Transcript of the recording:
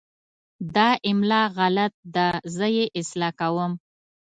دا املا غلط ده، زه یې اصلاح کوم.